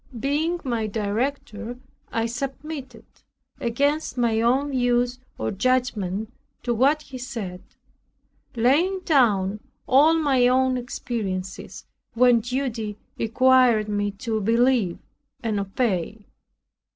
Being my director, I submitted, against my own views or judgment, to what he said, laying down all my own experiences when duty required me to believe and obey.